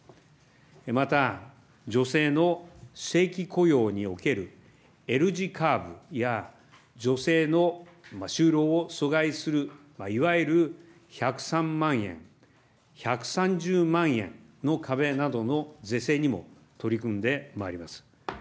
また女性の正規雇用におけるＬ字カーブや女性の就労を阻害する、いわゆる１０３万円、１３０万円の壁などの是正にも取り組んでまいります。